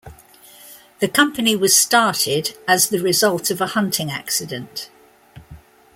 The company was started as the result of a hunting accident.